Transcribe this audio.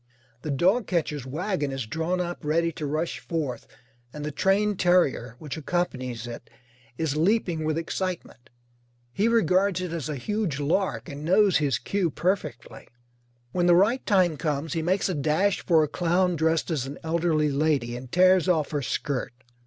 The dogcatcher's wagon is drawn up ready to rush forth, and the trained terrier which accompanies it is leaping with excitement. He regards it as a huge lark, and knows his cue perfectly. When the right time comes he makes a dash for a clown dressed as an elderly lady and tears off her skirt.